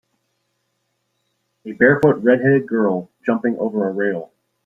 A barefoot redheaded girl jumping over a rail